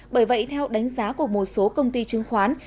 bởi vậy theo đánh giá của một số công ty chứng khoán